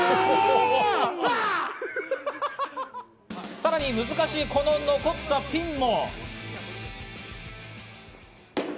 さらに難しい、この残ったピンも。